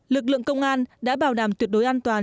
lực lượng công an đã bảo đảm tuyệt đối an toàn